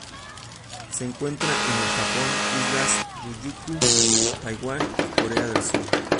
Se encuentra en el Japón, Islas Ryukyu, Taiwán y Corea del Sur.